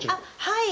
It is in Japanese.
はい。